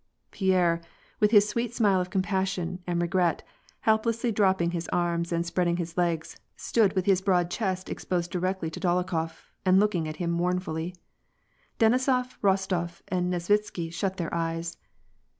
Pierre, with his sweet smile of compassion and regret, help lessly dropping his arms and spreading his legs, stood widi his broad chest exposed directly to Dolokhof, and looking at him mournfully. Denisof, Rostof, and Nesvitsky shut their eyes.